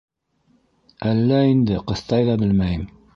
- Әллә инде... ҡыҫтай ҙа белмәйем.